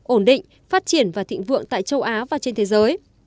ổn định phát triển và thịnh vượng tại châu á và trên thế giới